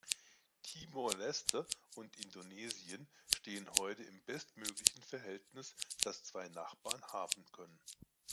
Timor-Leste und Indonesien stehen heute im bestmöglichen Verhältnis, das zwei Nachbarn haben können.